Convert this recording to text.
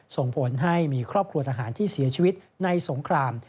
ส่งผลให้มีครอบครัวทหารที่เสียชีวิตในสงคราม